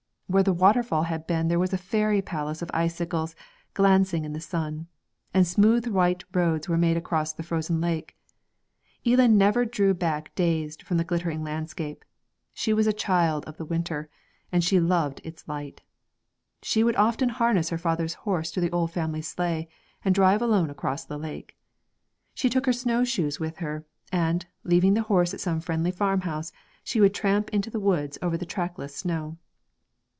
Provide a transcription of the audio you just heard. Where the waterfall had been there was a fairy palace of icicles glancing in the sun, and smooth white roads were made across the frozen lake. Eelan never drew back dazzled from the glittering landscape; she was a child of the winter, and she loved its light. She would often harness her father's horse to the old family sleigh and drive alone across the lake. She took her snow shoes with her, and, leaving the horse at some friendly farmhouse, she would tramp into the woods over the trackless snow.